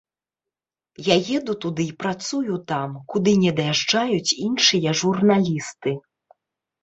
Я еду туды і працую там, куды не даязджаюць іншыя журналісты.